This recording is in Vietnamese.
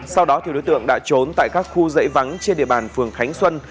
sau đó đối tượng đã trốn tại các khu dãy vắng trên địa bàn phường khánh xuân